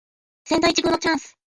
千載一遇のチャンス